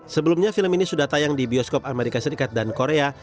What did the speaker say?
sebelumnya film ini sudah tayang di bioskop amerika serikat dan korea